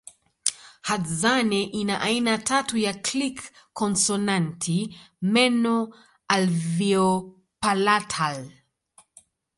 Hadzane ina aina tatu ya click konsonanti meno alveopalatal